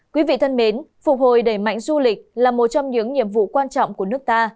quý vị thân mến phục hồi đẩy mạnh du lịch là một trong những nhiệm vụ quan trọng của nước ta